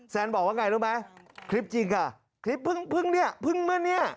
ฉันอยู่แป๊ปเดียวแล้วก็กลับมาบ้านก่อน